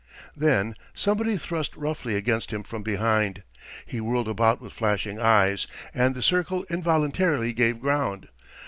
Then somebody thrust roughly against him from behind. He whirled about with flashing eyes, and the circle involuntarily gave ground.